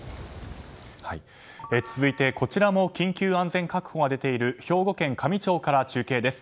続いてこちらも緊急安全確保が出ている兵庫県香美町から中継です。